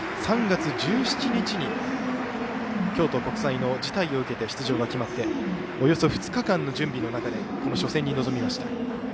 ３月１７日に京都国際の辞退を受けて出場が決まっておよそ２日間の準備の中でこの初戦に臨みました。